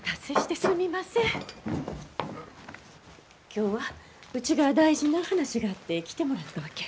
今日はうちが大事な話があって来てもらったわけ。